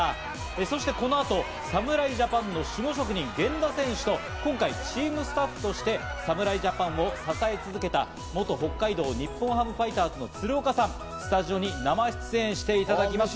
そしてこの後、侍ジャパンの守備職人・源田選手と、今回チームスタッフとして侍ジャパンを支え続けた、元北海道日本ハムファイターズの鶴岡さんがスタジオに生出演していただきます。